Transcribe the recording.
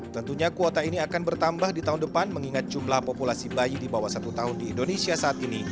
tentunya kuota ini akan bertambah di tahun depan mengingat jumlah populasi bayi di bawah satu tahun di indonesia saat ini